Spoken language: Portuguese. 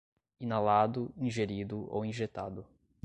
inalado, ingerido ou injetado